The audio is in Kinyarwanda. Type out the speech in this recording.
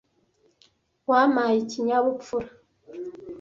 Yampaye ikinyabupfura.